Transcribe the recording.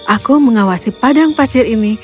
aku mengawasi padang pasir ini